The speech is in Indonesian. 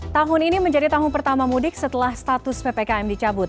tahun ini menjadi tahun pertama mudik setelah status ppkm dicabut